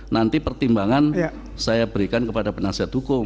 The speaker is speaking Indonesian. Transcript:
nanti pertimbangan saya berikan kepada penasihat hukum